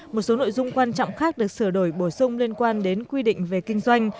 một số nội dung quan trọng khác được sửa đổi bổ sung liên quan đến quy định về kinh doanh